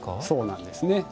そうなんですね。